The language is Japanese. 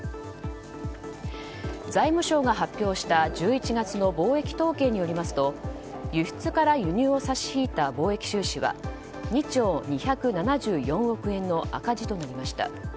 財務省が発表した１１月の貿易統計によりますと輸出から輸入を差し引いた貿易収支は２兆２７４億円の赤字となりました。